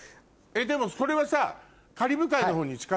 でもそれはさ。